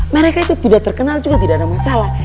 mereka itu tidak terkenal juga tidak ada masalah